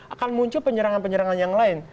akan muncul penyerangan penyerangan yang lain